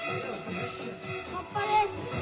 かっぱです。